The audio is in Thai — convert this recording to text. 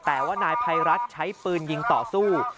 แต่ว่านายภัยรัฐใช้ปืนยิงต่อสู้